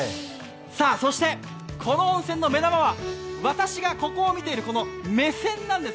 そして、この温泉の目玉は私がここを見ている目線なんです。